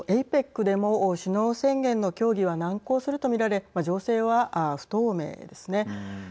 あのＡＰＥＣでも首脳宣言の協議は難航すると見られ情勢は不透明ですね。